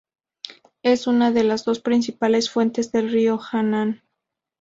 Es una de las dos principales fuentes del río Annan.